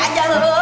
aduh pedes be